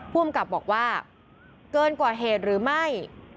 ภูมิกับบอกว่าเกินกว่าเหตุหรือไม่